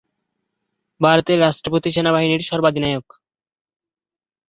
ভারতের রাষ্ট্রপতি সেনাবাহিনীর সর্বাধিনায়ক।